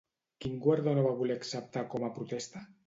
Quin guardó no va voler acceptar com a protesta?